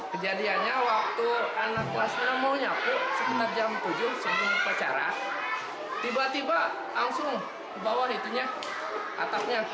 kejadiannya waktu anak kelas enam mau nyapu semenit jam tujuh sebelum pecaran tiba tiba langsung ke bawah atapnya